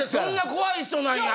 怖い人なんや！